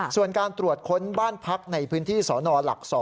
ส่วนการตรวจค้นบ้านพักในพื้นที่สนหลัก๒